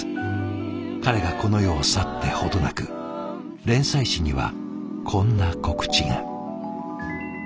彼がこの世を去って程なく連載誌にはこんな告知が。